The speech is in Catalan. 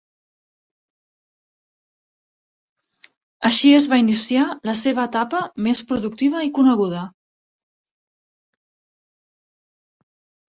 Així es va iniciar la seva etapa més productiva i coneguda.